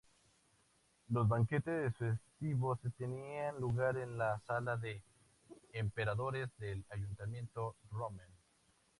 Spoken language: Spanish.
Los banquetes festivos tenían lugar en la Sala de Emperadores del ayuntamiento "Römer".